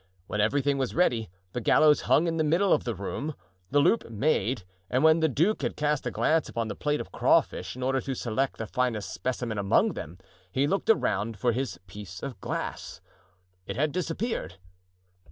When everything was ready, the gallows hung in the middle of the room, the loop made, and when the duke had cast a glance upon the plate of crawfish, in order to select the finest specimen among them, he looked around for his piece of glass; it had disappeared.